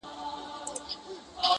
زه يې په هر ټال کي اویا زره غمونه وينم